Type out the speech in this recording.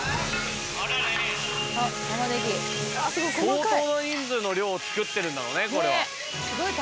相当な人数の量を作ってるんだろうねこれは。